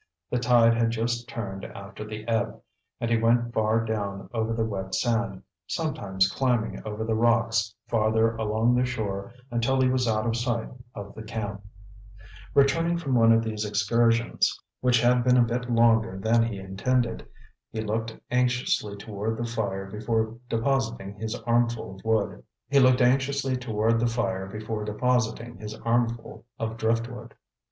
The tide had just turned after the ebb, and he went far down over the wet sand, sometimes climbing over the rocks farther along the shore until he was out of sight of the camp. Returning from one of these excursions, which had been a bit longer than he intended, he looked anxiously toward the fire before depositing his armful of driftwood.